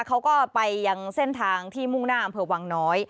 เขาก็ไปยังเส้นทางที่มุ่งหน้าอำเภอวังน้อย